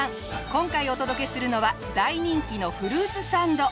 今回お届けするのは大人気のフルーツサンド！